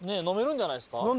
飲めるんじゃないですか？